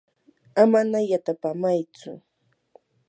amana yatapamaychu.